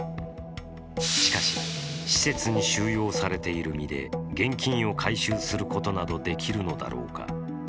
しかし、施設に収容されている身で現金を回収することなどできるのだろうか。